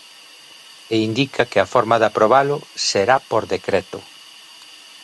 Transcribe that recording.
E indica que a forma de aprobalo "será por decreto...".